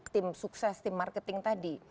tim sukses tim marketing tadi